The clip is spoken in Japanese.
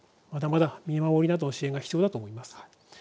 まだまだ見守りなど支援が必要だと思います。